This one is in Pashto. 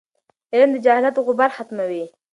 علم د جهالت غبار ختموي.